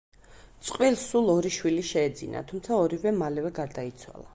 წყვილს სულ ორი შვილი შეეძინა, თუმცა ორივე მალევე გარდაიცვალა.